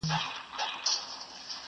ستا په غوښو دي بلا توره مړه سي.